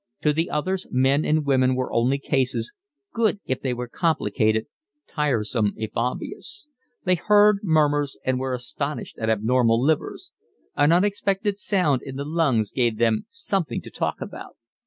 To the others men and women were only cases, good if they were complicated, tiresome if obvious; they heard murmurs and were astonished at abnormal livers; an unexpected sound in the lungs gave them something to talk about.